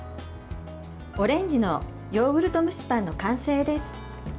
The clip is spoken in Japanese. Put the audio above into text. オレンジのヨーグルト蒸しパンの完成です。